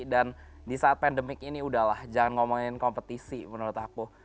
dan di saat pandemik ini udahlah jangan ngomongin kompetisi menurut aku